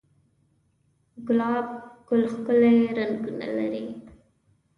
گلاب گل ښکلي رنگونه لري